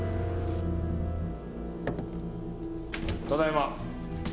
ただいま。